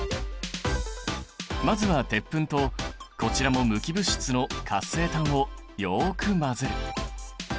まずは鉄粉とこちらも無機物質の活性炭をよく混ぜる。